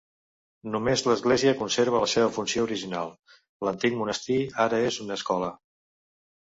Només l'església conserva la seva funció original; l'antic monestir ara és una escola.